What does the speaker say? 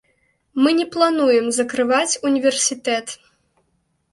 Мы не плануем закрываць універсітэт.